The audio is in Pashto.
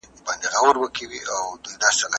دا مستطيل دئ او دا مربع ده.